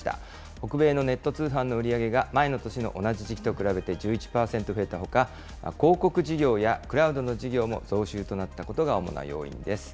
北米のネット通販の売り上げが前の年の同じ時期と比べて１１％増えたほか、広告事業やクラウドの事業も増収となったことが主な要因です。